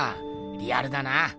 リアルだな。